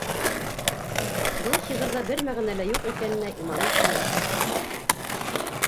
—Был шиғырҙа бер мәғәнә лә юҡ икәненә иманым камил!